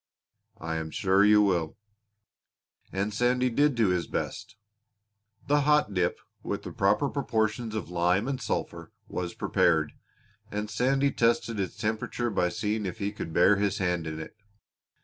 "I am sure you will." And Sandy did do his best! The hot dip, with the proper proportions of lime and sulphur, was prepared, and Sandy tested its temperature by seeing if he could bear his hand in it.